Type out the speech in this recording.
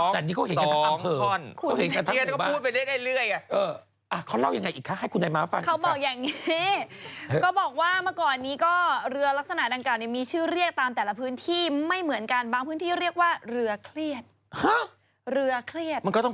สองท่อนสองท่อนต้องเห็นกันทั้งคู่บ้าง